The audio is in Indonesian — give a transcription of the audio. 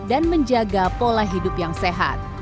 dan menjaga pola hidup yang sehat